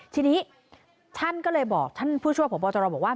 ทีนี้ท่านก็เลยบอกท่านผู้ช่วยพบตรบอกว่า